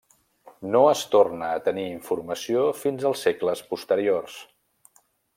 No es torna a tenir informació fins als segles posteriors.